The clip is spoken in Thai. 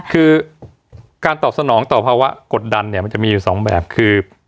คือการตอบสนองต่อภาวะกดดันเนี่ยมันจะมีอยู่สองแบบคือ